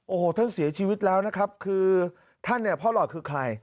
โอ้โหท่านเสียชีวิตแล้วนะครับคือท่านเนี่ยพ่อหลอดคือใคร